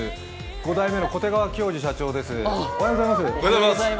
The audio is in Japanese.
５代目の小手川強二社長です。